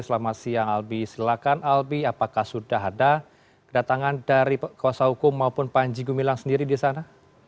selamat siang albi silakan albi apakah sudah ada kedatangan dari kuasa hukum maupun panji gumilang sendiri di sana